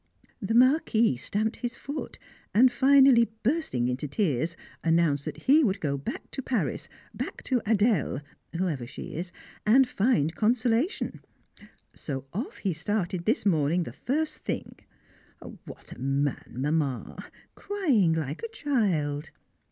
The Marquis stamped his foot, and finally, bursting into tears, announced that he would go to Paris, back to Adèle whoever she is and find consolation! So off he started this morning the first thing. What a man, Mamma! crying like a child!